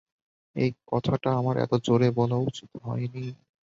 এই কথাটা আমার এতো জোরে বলা উচিত হয়নি।